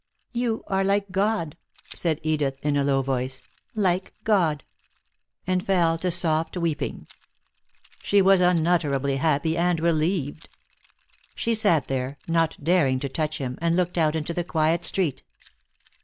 "You are like God," said Edith, in a low voice. "Like God." And fell to soft weeping. She was unutterably happy and relieved. She sat there, not daring to touch him, and looked out into the quiet street.